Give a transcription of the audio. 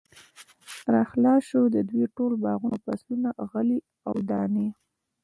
را خلاص شو، د دوی ټول باغونه او فصلونه، غلې او دانې